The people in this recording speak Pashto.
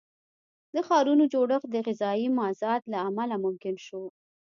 د ښارونو جوړښت د غذایي مازاد له امله ممکن شو.